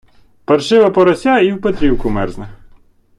Паршиве порося і в Петрівку мерзне.